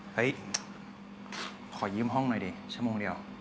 เฮ้ยขอยืมห้องหน่อยดิชั่วโมงเดียว